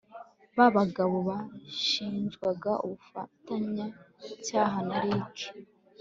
Ba bagabo bashinjwaga ubufatanya cyaha na Ricky